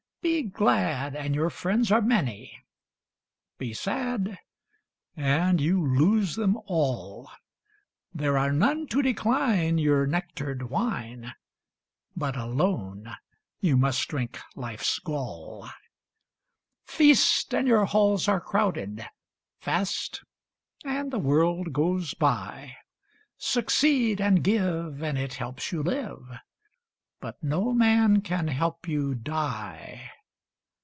Be glad, and your friends are many; Be sad, and you lose them all; There are none to decline your nectar'd wine, But alone you must drink life's gall. Feast, and your halls are crowded; Fast, and the world goes by. Succeed and give, and it helps you live, But no man can help you die.